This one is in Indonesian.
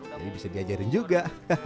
jadi bisa diajarin juga